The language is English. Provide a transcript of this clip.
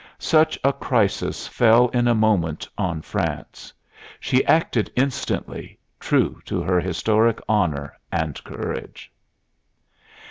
Such a crisis fell in a moment on France; she acted instantly, true to her historic honor and courage."